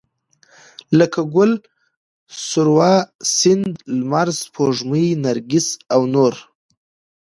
لکه ګل، سروه، سيند، لمر، سپوږمۍ، نرګس او نور